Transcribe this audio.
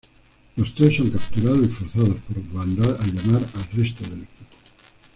Los tres son capturados y forzados por Vandal a llamar al resto del equipo.